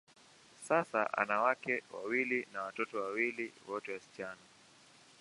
Sasa, ana wake wawili na watoto wawili, wote wasichana.